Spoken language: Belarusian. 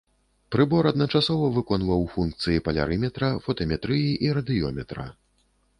Прыбор адначасова выконваў функцыі палярыметра, фотаметрыі і радыёметра.